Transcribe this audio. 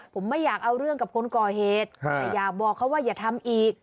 ผมไม่อยากเอาเรื่องกับคนก่อเหตุแต่อยากบอกเขาว่าอย่าทำอีก